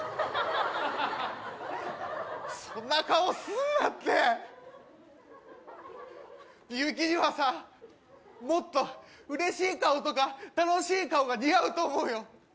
そんな顔すんなってミユキにはさもっと嬉しい顔とか楽しい顔が似合うと思うよ